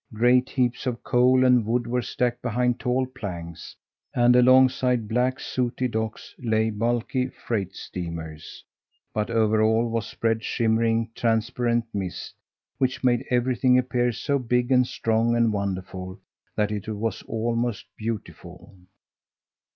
Great heaps of coal and wood were stacked behind tall planks, and alongside black, sooty docks lay bulky freight steamers; but over all was spread a shimmering, transparent mist, which made everything appear so big and strong and wonderful that it was almost beautiful.